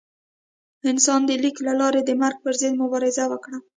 انسان د لیک له لارې د مرګ پر ضد مبارزه وکړه.